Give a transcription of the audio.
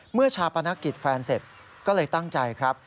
ชาปนกิจแฟนเสร็จก็เลยตั้งใจครับ